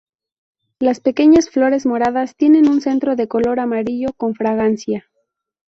Las pequeñas flores moradas tienen un centro de color amarillo con fragancia.